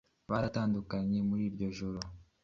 baratandukana muri iryo Joro